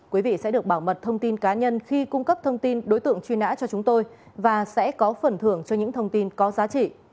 quý vị sẽ được bảo mật thông tin cá nhân khi cung cấp thông tin đối tượng truy nã cho chúng tôi và sẽ có phần thưởng cho những thông tin có giá trị